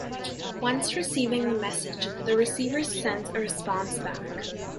Once receiving the message, the receiver sends a response back.